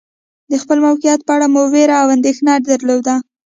د خپل موقعیت په اړه مو وېره او اندېښنه درلوده.